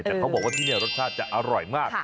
แต่เขาบอกว่าที่นี่รสชาติจะอร่อยมาก